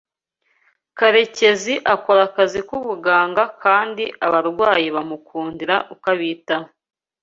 Karekezi akora akazi k’ubuganga kandi abarwayi bamukundira uko abitaho